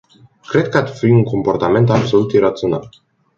Cred că ar fi un comportament absolut irațional.